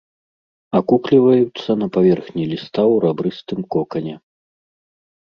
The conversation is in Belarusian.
Акукліваюцца на паверхні ліста ў рабрыстым кокане.